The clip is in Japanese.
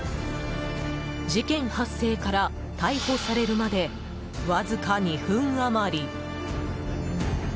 事件発生から逮捕されるまでわずか２分余り。